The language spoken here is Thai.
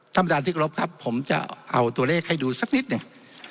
ท่านประธานที่กรบครับผมจะเอาตัวเลขให้ดูสักนิดหนึ่ง